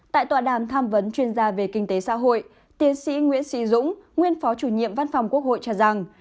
tại tọa đàm tham vấn chuyên gia về kinh tế xã hội tiến sĩ nguyễn sĩ dũng nguyên phó chủ nhiệm văn phòng quốc hội cho rằng